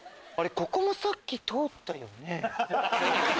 ここもさっき通ったよね。